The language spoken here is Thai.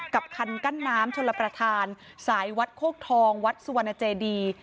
กับคันกั้นน้ำชนระประธานสายวัดโครกทองวัดสวนเจธี